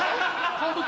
監督。